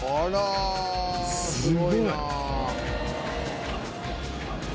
すごい！